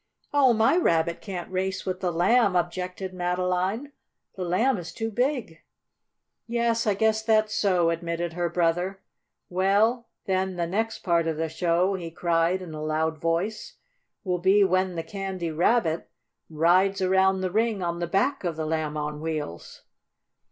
"Oh, my Rabbit can't race with the Lamb!" objected Madeline. "The Lamb is too big." "Yes, I guess that's so," admitted her brother. "Well, then the next part of the show," he cried in a loud voice, "will be when the Candy Rabbit rides around the ring on the back of the Lamb on Wheels."